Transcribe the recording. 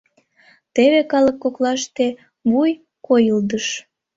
Теве калык коклаште вуй койылдыш.